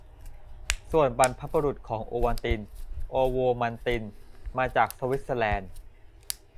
ส่วนบรรพบุรุษของโอวัลติน "โอโวมัลติน" มาจากสวิสเซอร์แลนด์